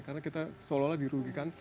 karena kita seolah olah dirugikan